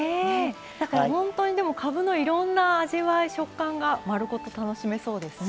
だから本当にかぶのいろんな味わい食感が丸ごと楽しめそうですね。